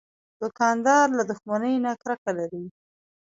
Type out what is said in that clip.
دوکاندار له دښمنۍ نه کرکه لري.